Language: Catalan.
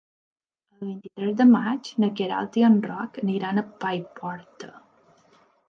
El vint-i-tres de maig na Queralt i en Roc aniran a Paiporta.